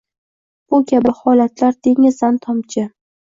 Bu kabi holatlar dengizdan tomchi